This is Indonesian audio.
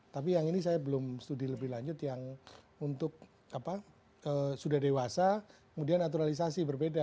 tapi yang ini saya belum studi lebih lanjut yang untuk sudah dewasa kemudian naturalisasi berbeda